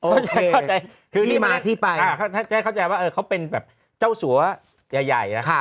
โอเคที่มาที่ไปถ้าแกเข้าใจว่าเออเขาเป็นแบบเจ้าสัวใหญ่นะครับ